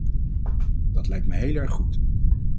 Dat lijkt me heel erg goed.